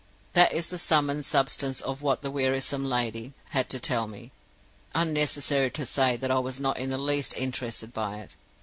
"That is the sum and substance of what the wearisome landlady, had to tell me. Unnecessary to say that I was not in the least interested by it.